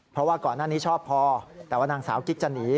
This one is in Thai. เพราะว่าก่อนหน้านี้ชอบพอแต่ว่านางสาวกิ๊กจะหนี